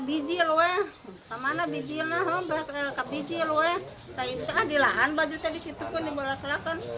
biji lu eh sama lebih jenah membuat kebijil weh tak dilaan baju tadi gitu pun dibolak bolakkan